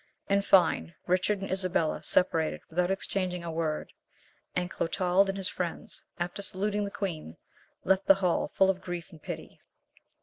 In fine, Richard and Isabella separated without exchanging a word; and Clotald and his friends, after saluting the queen, left the hall full of grief and pity.